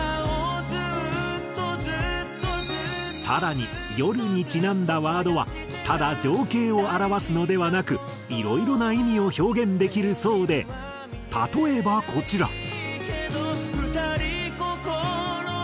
更に夜にちなんだワードはただ情景を表すのではなくいろいろな意味を表現できるそうで例えばこちら。